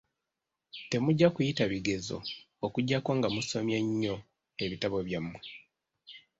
Temujja kuyita bigezo, okuggyako nga musomye nnyo ebitabo byammwe.